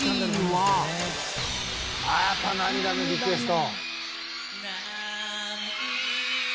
ああやっぱ『涙のリクエスト』。